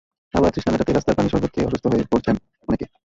আবার তৃষ্ণা মেটাতে রাস্তার পানি, শরবত খেয়ে অসুস্থ হয়ে পড়ছেন অনেকে।